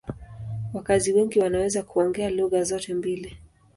Wakazi wengi wanaweza kuongea lugha zote mbili.